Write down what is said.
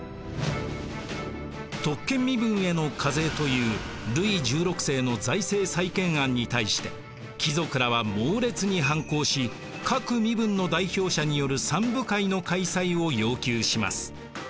特権身分への課税というルイ１６世の財政再建案に対して貴族らは猛烈に反抗し各身分の代表者による三部会の開催を要求します。